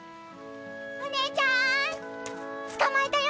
おねえちゃん捕まえたよ！